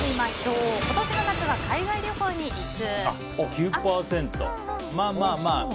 今年の夏は海外旅行に行く。